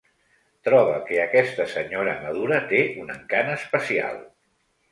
Troba que aquesta senyora madura té un encant especial.